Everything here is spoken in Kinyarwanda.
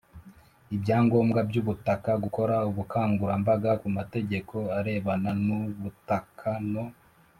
ibyangombwa by ubutaka gukora ubukangurambaga ku mategeko arebana n ubutaka no